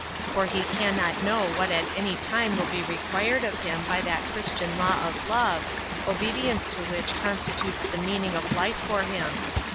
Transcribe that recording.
For he cannot know what at any time will be required of him by that Christian law of love, obedience to which constitutes the meaning of life for him.